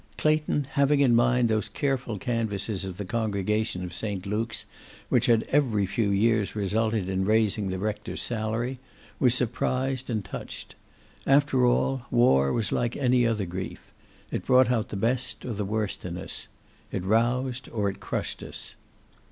Clayton, having in mind those careful canvasses of the congregation of Saint Luke's which had every few years resulted in raising the rector's salary, was surprised and touched. After all, war was like any other grief. It brought out the best or the worst in us. It roused or it crushed us.